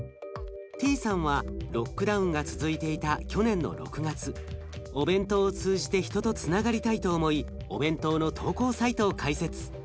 ティーさんはロックダウンが続いていた去年の６月お弁当を通じて人とつながりたいと思いお弁当の投稿サイトを開設。